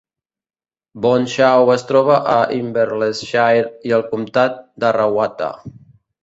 Bonshaw es troba a Inverell Shire i el comtat d'Arrawatta.